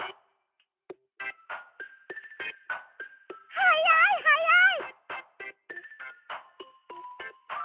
はやいはやい！